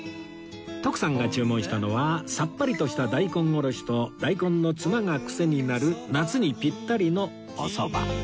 徳さんが注文したのはさっぱりとした大根おろしと大根のツマがクセになる夏にピッタリのおそば